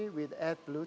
scr dengan tank blue